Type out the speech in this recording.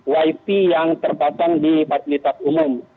wifi yang terpasang di fasilitas umum